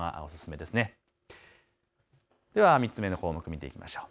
では３つ目の項目、見ていきましょう。